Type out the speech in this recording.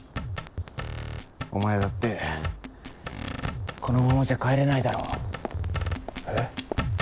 お前だってこのままじゃ帰れないだろ？え？